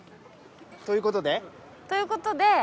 ということで。ということで。